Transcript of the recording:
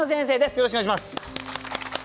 よろしくお願いします。